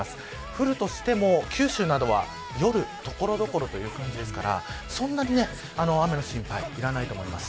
降るとしても九州などは夜、所々という感じですからそんなに雨の心配いらないと思います。